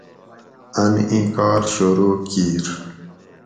ان ایں کار شروع کِیر